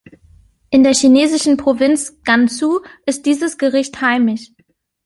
In der chinesischen Provinz Gansu ist dieses Gericht heimisch.